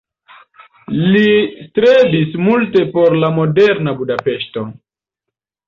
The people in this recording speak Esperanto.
Li strebis multe por la moderna Budapeŝto.